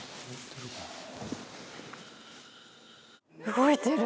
動いてる。